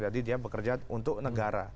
jadi dia bekerja untuk negara